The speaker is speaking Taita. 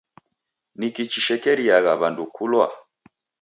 Niki chishekeriagha w'andu kulwa?